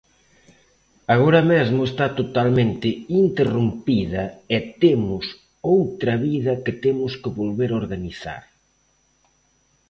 Agora mesmo está totalmente interrompida e temos outra vida que temos que volver organizar.